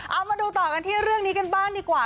เอามาดูต่อกันที่เรื่องนี้กันบ้างดีกว่า